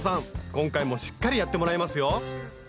今回もしっかりやってもらいますよ。